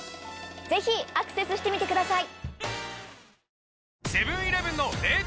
ぜひアクセスしてみてください！